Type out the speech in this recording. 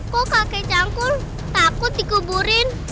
kok kakek cangkul takut dikuburin